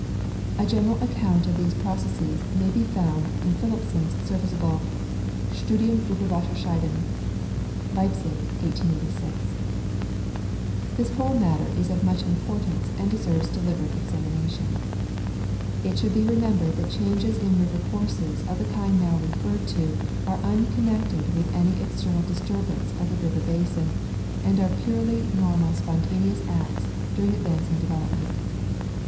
A general account of these pro cesses may be found in Phillippson's serviceable " Studien tiber Wasserscheiden " (Leipzig, 1886). This whole matter is of much importance and deserves deliberate examination. It should be remembered that changes in river courses of the kind now re ferred to are unconnected with any external disturbance of the river basin, and are purely normal spontaneous acts during ad vancing development.